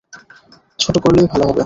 ছোট করলেই ভালো হবে।